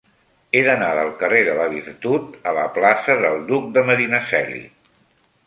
He d'anar del carrer de la Virtut a la plaça del Duc de Medinaceli.